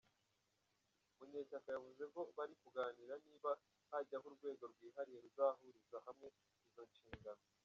Munyeshyaka yavuze ko bari kuganira niba hajyaho urwego rwihariye ruzahuriza hamwe izo nshingano.